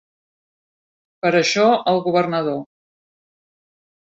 Per això, el governador